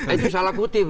itu salah kutip